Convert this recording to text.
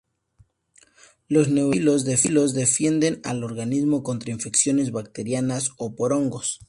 Los neutrófilos defienden al organismo contra infecciones bacterianas o por hongos.